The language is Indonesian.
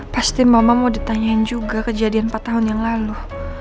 pasti mama mau ditanyain juga kejadian empat tahun yang lalu